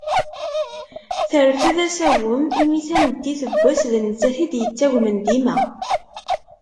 Terfed asagem imi tameddit n wass d nettat i d-yettagmen dima.